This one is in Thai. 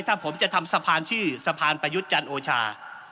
ถ้าผมจะทำสะพานชื่อสะพานประยุทธ์จันทร์โอชา